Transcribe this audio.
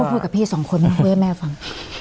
พูดกับพี่สองคนให้พูดให้แม่ฟัง